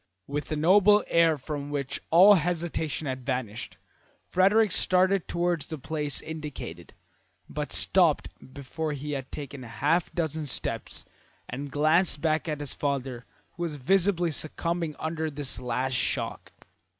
With a noble air from which all hesitation had vanished, Frederick started towards the place indicated, but stopped before he had taken a half dozen steps and glanced back at his father, who was visibly succumbing under this last shock.